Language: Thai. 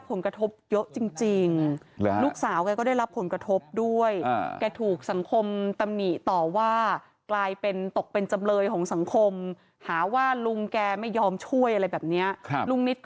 เพราะว่าระหว่างทำงาน